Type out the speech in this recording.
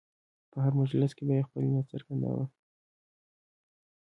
په هر مجلس کې به یې خپل نیت څرګنداوه.